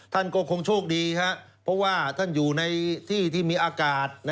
ท่านก็คงโชคดีครับเพราะว่าท่านอยู่ในที่ที่มีอากาศ